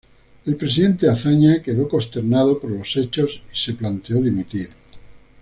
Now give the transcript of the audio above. El presidente Azaña quedó consternado por los hechos y se planteó dimitir.